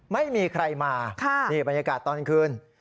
ไม่มีใครมานี่บรรยากาศตอนคืน